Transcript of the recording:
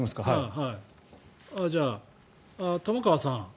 じゃあ、玉川さん